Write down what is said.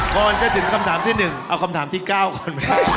ก่อนจะถึงคำถามที่หนึ่งเอาคำถามที่เก้าก่อน